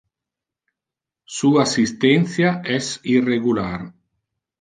Su assistentia es irregular.